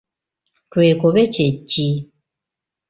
Twekobe kye ki?